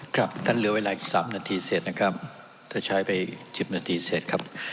ครับท่านเหลือเวลาอีก๓นาทีเสร็จนะครับถ้าใช้ไป๑๐นาทีเสร็จครับ